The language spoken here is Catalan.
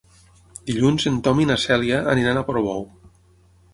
Dilluns en Tom i na Cèlia aniran a Portbou.